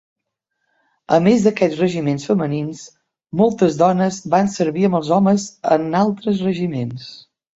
A més d'aquests regiments femenins, moltes dones van servir amb els homes en altres regiments.